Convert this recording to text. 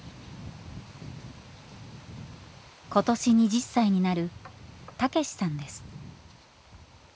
今年２０歳になるたけしさんです。